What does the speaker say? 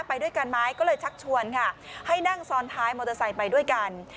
ไปด้วยกันไหมก็เลยชักชวนค่ะให้นั่งซ้อนท้ายมอเตอร์ไซค์ไปด้วยกัน